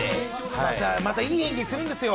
またいい演技するんですよ